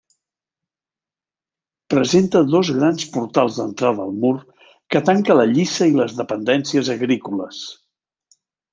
Presenta dos grans portals d'entrada al mur que tanca la lliça i les dependències agrícoles.